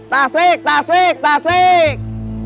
tasik tasik tasik